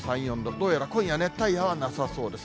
どうやら今夜、熱帯夜はなさそうです。